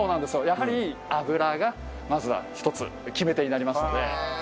やはり油がまずは一つ決め手になりますので。